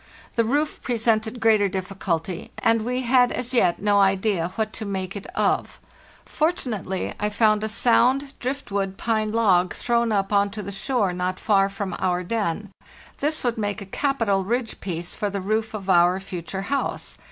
The roof presented greater difficulty, and we had as yet no idea what to make of it. Fortunately, I found a sound drift wood pine log thrown up on to the shore not far from our den; this would make a capital ridge piece for the roof of our future house.